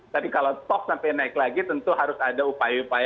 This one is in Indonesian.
tapi kalau stok sampai naik lagi tentu harus ada upaya upaya